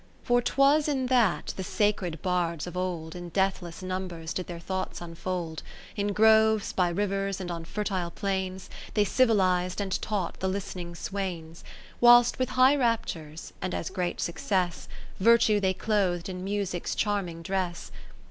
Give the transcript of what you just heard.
2 0 For 'twas in that, the sacred Bards of old, In deathless numbers did their thoughts unfold. In groves, by rivers, and on fertile plains. They civiliz'd and taught the list'n ing swains ; Whilst with high raptures, and as great success. Virtue they clothed in Music's charm ing dress.